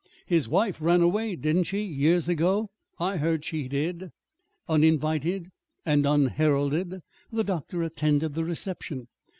"His wife ran away, didn't she, years ago? I heard she did." Uninvited and unheralded, the doctor attended the reception.